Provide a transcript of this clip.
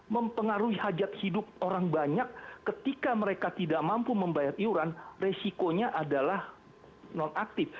mempengaruhi hajat hidup orang banyak ketika mereka tidak mampu membayar iuran resikonya adalah non aktif